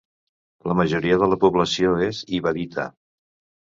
La majoria de la població és ibadita.